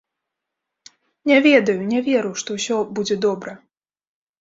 Не ведаю, не веру, што ўсё будзе добра!